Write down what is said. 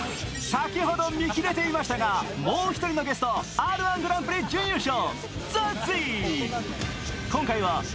先ほど見切れていましたが、もう独りのゲストＲ−１ぐらんぷり準優勝ＺＡＺＹ！